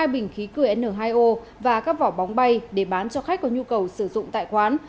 hai bình khí cửa n hai o và các vỏ bóng bay để bán cho khách có nhu cầu sử dụng tại quán